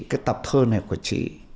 cái tập thơ này của chị